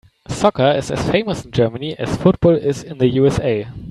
Soccer is as famous in Germany as football is in the USA.